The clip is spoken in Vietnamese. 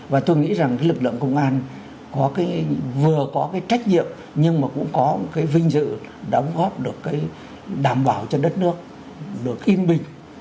và tôi nghĩ rằng lực lượng công an có cái vừa có cái trách nhiệm nhưng mà cũng có cái vinh dự đóng góp được cái đảm bảo cho đất nước được yên bình